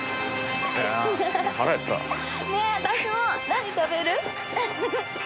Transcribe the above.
何食べる？